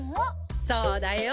そうだよ。